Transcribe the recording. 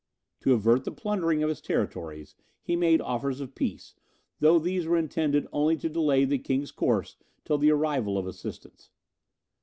To avert the plundering of his territories, he made offers of peace, though these were intended only to delay the king's course till the arrival of assistance.